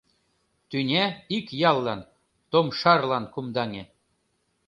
Тӱня ик яллан, Томшарлан, кумдаҥе.